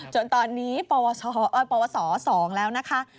จนตอนนี้ภาวะว่าศ๒แล้วนะคะ